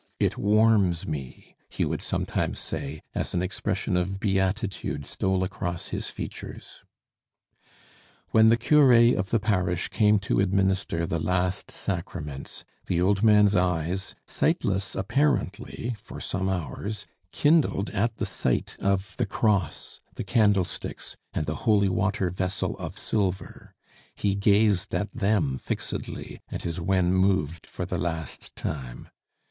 "It warms me!" he would sometimes say, as an expression of beatitude stole across his features. When the cure of the parish came to administer the last sacraments, the old man's eyes, sightless, apparently, for some hours, kindled at the sight of the cross, the candlesticks, and the holy water vessel of silver; he gazed at them fixedly, and his wen moved for the last time.